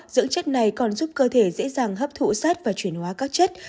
dưỡng chất này còn giúp cơ thể dễ dàng hấp thụ sát và chuyển hóa các chất